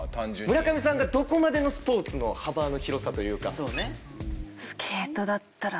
村上さんがどこまでのスポーツの幅の広さというか。